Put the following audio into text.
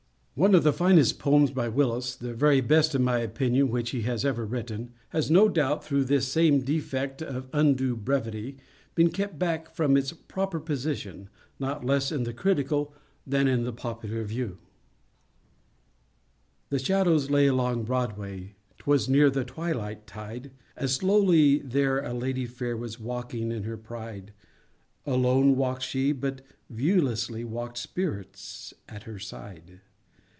One of the finest poems by Willis—the very best in my opinion which he has ever written—has no doubt, through this same defect of undue brevity, been kept back from its proper position, not less in the The shadows lay along Broadway, 'Twas near the twilight tide— And slowly there a lady fair Was walking in her pride. Alone walk'd she; but, viewlessly, Walk'd spirits at her side.